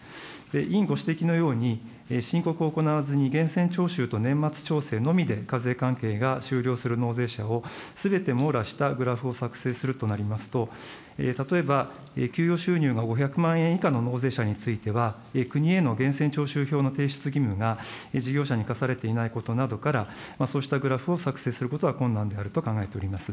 委員ご指摘のように、申告を行わずに、源泉徴収と年末調整のみで課税関係が終了する納税者を、すべて網羅したグラフを作成するとなりますと、例えば給与収入が５００万円以下の納税者については、国への源泉徴収票の提出義務が、事業者に課されていないことなどから、そうしたグラフを作成することは困難であると考えております。